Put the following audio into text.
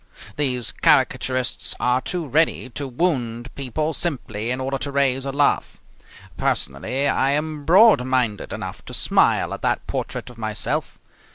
These caricaturists are too ready to wound people simply in order to raise a laugh. Personally I am broad minded enough to smile at that portrait of myself.